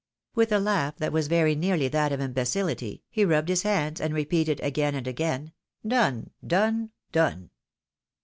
With a laugh that was very nearly that of imbecility, he rubbed his hands, and repeated again and again, " Done, done, done."